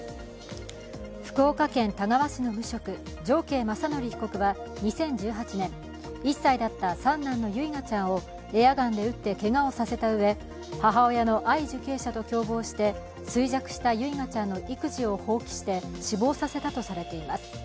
福岡県田川市の無職常慶容疑者が１歳だった三男の唯雅ちゃんをエアガンで撃ってけがをさせたうえ、母親の藍受刑者と共謀して衰弱した唯雅ちゃんの育児を放棄して死亡させたとされています。